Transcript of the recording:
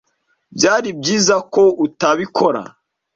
Byari byiza ko utabikora.